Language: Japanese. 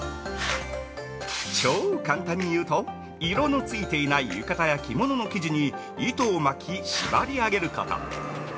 超簡単に言うと色のついていない浴衣や着物の生地に糸を巻き縛り上げること。